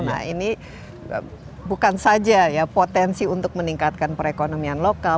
nah ini bukan saja ya potensi untuk meningkatkan perekonomian lokal